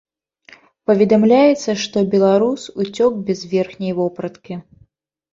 Паведамляецца, што беларус уцёк без верхняй вопраткі.